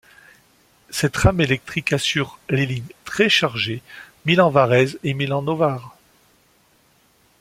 Cette rame électrique assure les lignes très chargées Milan-Varèse et Milan-Novare.